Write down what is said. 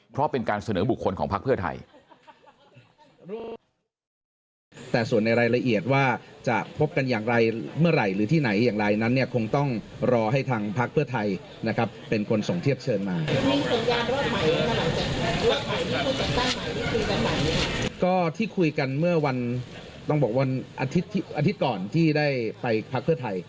เพราะเป็นการเสนอบุคคลของพักเพื่อไทย